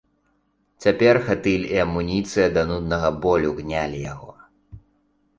Цяпер хатыль і амуніцыя да нуднага болю гнялі яго.